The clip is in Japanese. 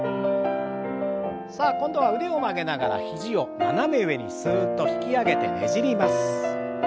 さあ今度は腕を曲げながら肘を斜め上にすっと引き上げてねじります。